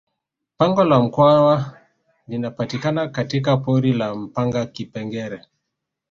pango la mkwawa linapatikana katika pori la mpanga kipengere